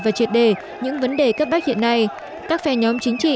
và triệt đề những vấn đề cấp bách hiện nay các phe nhóm chính trị